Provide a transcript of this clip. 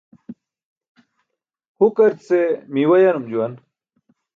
Hukar ce miiwa yanum juwan.